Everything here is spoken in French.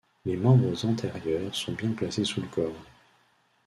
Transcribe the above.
Les membres antérieurs sont bien placés sous le corps.